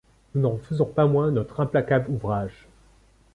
Nous n'en faisions pas moins notre implacable ouvrage